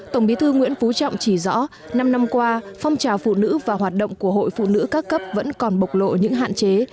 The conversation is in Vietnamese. tổng bí thư nguyễn phú trọng chỉ rõ năm năm qua phong trào phụ nữ và hoạt động của hội phụ nữ các cấp vẫn còn bộc lộ những hạn chế